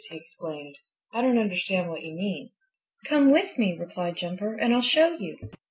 he exclaimed. "I don't understand what you mean." "Come with me," replied Jumper, "and I'll show you."